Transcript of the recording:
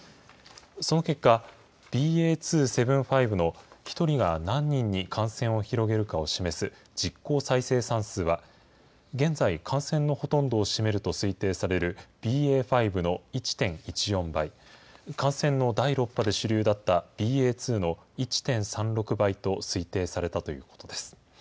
その結果、ＢＡ．２．７５の１人が何人に感染を広げるかを示す実効再生産数は、現在、感染のほとんどを占めると推定されるＢＡ．５の１．１４倍、感染の第６波で主流だったＢＡ．２の１．３６倍と推定されたということです。